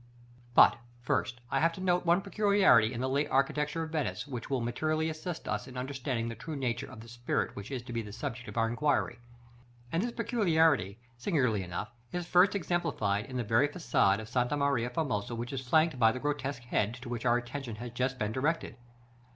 § XVII. But, first, I have to note one peculiarity in the late architecture of Venice, which will materially assist us in understanding the true nature of the spirit which is to be the subject of our inquiry; and this peculiarity, singularly enough, is first exemplified in the very façade of Santa Maria Formosa which is flanked by the grotesque head to which our attention has just been directed.